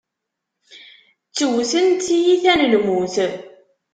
Ttewtent tiyita n lmut.